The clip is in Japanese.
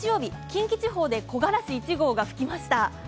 近畿地方で木枯らし１号が吹きました。